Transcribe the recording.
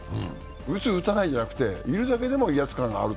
打つ、打たないじゃなくているだけでも威圧感がある。